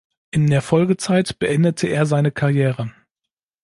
In der Folgezeit beendete er seine Karriere.